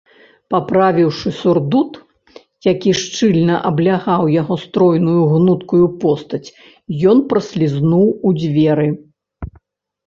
Паправіўшы сурдут, які шчыльна аблягаў яго стройную гнуткую постаць, ён праслізнуў у дзверы.